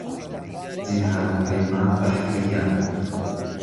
جیهان پهیما بهحرییه